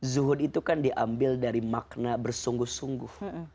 zuhud itu kan diambil dari makna bersungguh sungguh